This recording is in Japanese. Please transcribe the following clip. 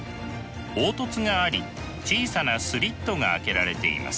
凹凸があり小さなスリットが開けられています。